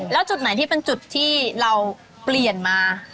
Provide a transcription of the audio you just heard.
แล้วจุดไหนที่เป็นจุดที่เราเปลี่ยนมา